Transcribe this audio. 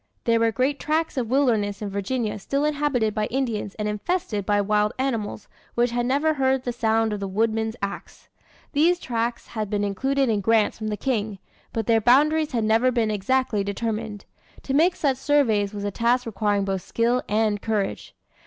There were great tracts of wilderness in Virginia still inhabited by Indians and infested by wild animals, which had never heard the sound of the woodman's axe. These tracts had been included in grants from the King, but their boundaries had never been exactly determined. To make such surveys was a task requiring both skill and courage.